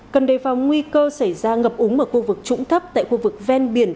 cần đề phòng nguy cơ xảy ra ngập úng ở khu vực trũng thấp tại khu vực ven biển